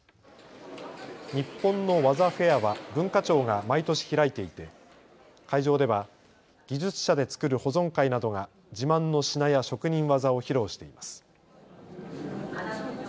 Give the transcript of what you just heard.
日本の技フェアは文化庁が毎年開いていて会場では技術者で作る保存会などが自慢の品や職人技を披露しています。